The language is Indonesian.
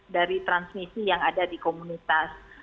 dari transmisi yang ada di komunitas